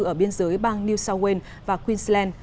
ở biên giới bang new south wales và queensland